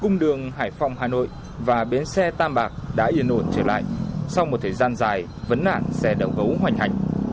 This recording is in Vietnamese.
cung đường hải phòng hà nội và bến xe tam bạc đã yên ổn trở lại sau một thời gian dài vấn đạn xe đầu gấu hành hành